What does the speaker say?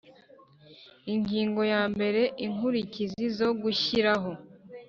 Ingingo ya mbere Inkurikizi zo gushyiraho